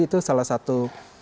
itu salah satu